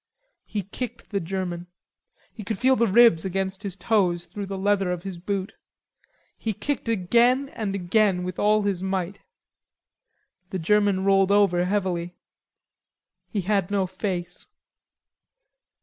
He kicked the German. He could feel the ribs against his toes through the leather of his boot. He kicked again and again with all his might. The German rolled over heavily. He had no face.